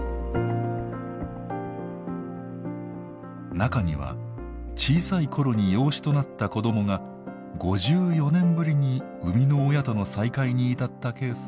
中には小さい頃に養子となった子どもが５４年ぶりに生みの親との再会に至ったケースもありました。